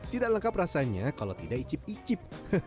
tidak lengkap rasanya kalau tidak icip icip